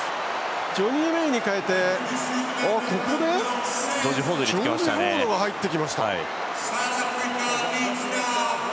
ジョニー・メイに代えてここでジョージ・フォードが入ってきました。